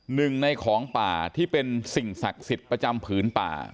หนึ่งในของป่าที่เป็นสิ่งศักดิ์สิทธิ์ประจำผืนป่า